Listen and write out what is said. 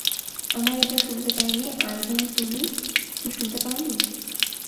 আমার এটা শুনতে চাইনি, আইভান তুমি কি শুনতে পাওনি?